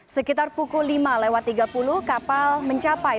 sekitar pukul lima lewat tiga puluh kapal mencapai